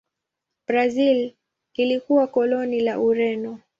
Brazil ilikuwa koloni la Ureno.